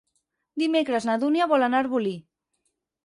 Dimecres na Dúnia vol anar a Arbolí.